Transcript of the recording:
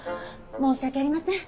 申し訳ありません。